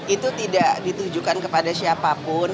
itu tidak ditujukan kepada siapapun